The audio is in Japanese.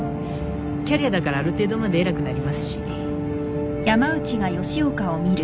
キャリアだからある程度まで偉くなりますし。